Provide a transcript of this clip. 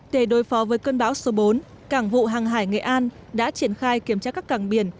để đối phó với cơn bão số bốn cảng vụ hàng hải nghệ an đã triển khai kiểm tra các cảng biển